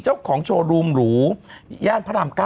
เจ้าของโชว์รูมหรูย่านพระราม๙